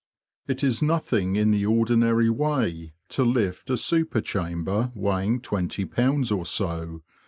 It is nothing in the ordinary way to lift a super chamber weighing twenty pounds or so.